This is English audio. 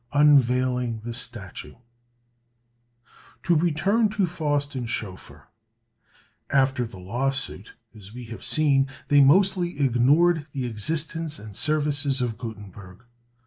Unveiling the Statue. To return to Faust and Schoeffer. After the lawsuit, as we have seen, they mostly ignored the existence and services of Gutenberg.